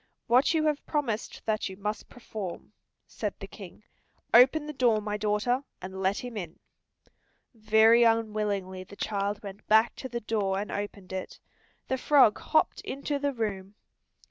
"What you have promised that you must perform," said the King. "Open the door, my daughter, and let him in." Very unwillingly the child went back to the door and opened it; the frog hopped into the room.